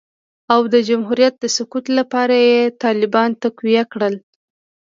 او د جمهوریت د سقوط لپاره یې طالبان تقویه کړل